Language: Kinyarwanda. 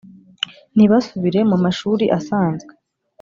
ntibasubire mu mashuri asanzwe